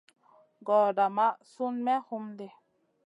Gordaa maʼa Sun me homdi.